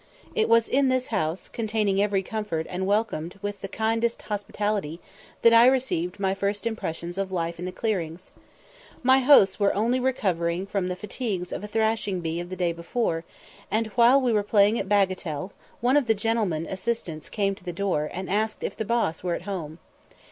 It was in this house, containing every comfort, and welcomed with the kindest hospitality, that I received my first impressions of "life in the clearings." My hosts were only recovering from the fatigues of a "thrashing bee" of the day before, and, while we were playing at bagatelle, one of the gentlemen assistants came to the door, and asked if the "Boss" were at home.